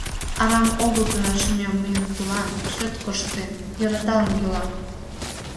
Арам огыл тынар шӱмем мыйын тулан, Чот корштен, йӧраталын йӱла.